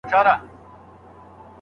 ناپوهه کس ته چارې نه سپارل کېږي.